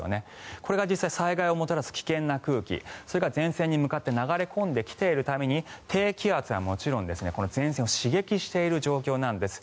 これが実際に災害をもたらす危険な空気、それから前線に向かって流れ込んできているために低気圧はもちろん、前線を刺激している状況なんです。